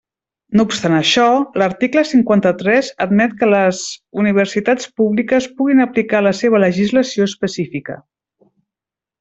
No obstant això, l'article cinquanta-tres admet que les universitats públiques puguin aplicar la seva legislació específica.